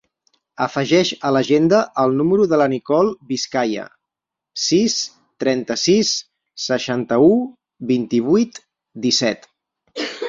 Afegeix a l'agenda el número de la Nicole Vizcaya: sis, trenta-sis, seixanta-u, vint-i-vuit, disset.